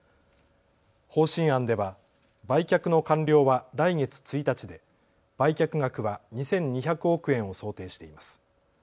方針案では売却の完了は来月１日で売却額は２２００億円を想定しています。